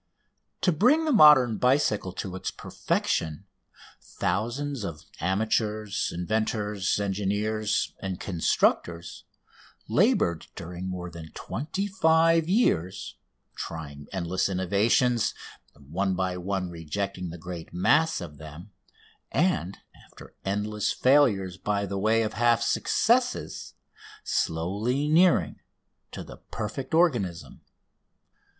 To bring the modern bicycle to its perfection thousands of amateurs, inventors, engineers, and constructors laboured during more than twenty five years, trying endless innovations, one by one rejecting the great mass of them, and, after endless failures by the way of half successes, slowly nearing to the perfect organism.